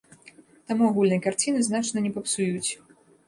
Таму агульнай карціны значна не папсуюць.